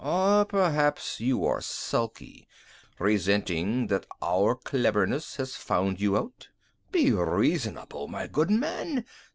Or perhaps you are sulky, resenting that our cleverness has found you out? Be reasonable, my good man.